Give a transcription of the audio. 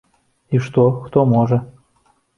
І што хто можа?